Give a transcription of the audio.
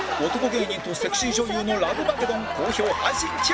芸人とセクシー女優のラブマゲドン好評配信中